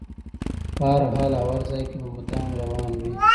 په هر حال او هر ځای کې به مدام روان وي.